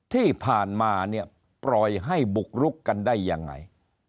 ที่ผ่านมาเนี่ยปล่อยให้บุกรุกกันได้ยังไง